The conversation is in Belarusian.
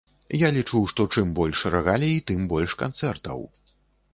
Я лічу, што чым больш рэгалій, тым больш канцэртаў.